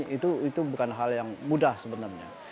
itu bukan hal yang mudah sebenarnya